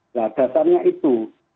nah dasarnya itu